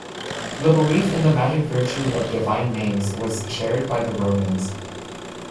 The belief in the magic virtue of divine names was shared by the Romans.